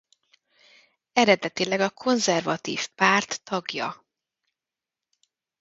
Eredetileg a Konzervatív Párt tagja.